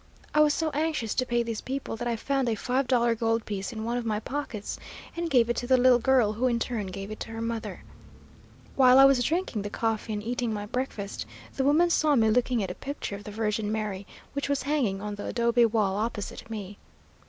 I was so anxious to pay these people that I found a five dollar gold piece in one of my pockets and gave it to the little girl, who in turn gave it to her mother. While I was drinking the coffee and eating my breakfast, the woman saw me looking at a picture of the Virgin Mary which was hanging on the adobe wall opposite me.